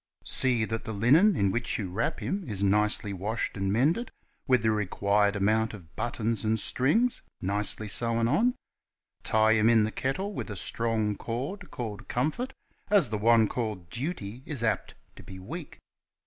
"See that the linen, in Avhich you wrap him, is nicely washed and mended, with the required amount of buttons and strings, nicely sewed on. Tie him in the kettle with a strong cord called Comfort, as the one called Duty is apt to be weak.